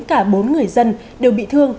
cả bốn người dân đều bị thương